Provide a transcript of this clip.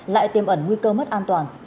lại tiêm ẩn nguy cơ mất an toàn